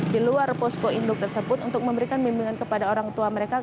di luar posko induk tersebut untuk memberikan bimbingan kepada orang tua mereka